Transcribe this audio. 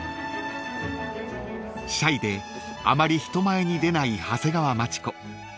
［シャイであまり人前に出ない長谷川町子］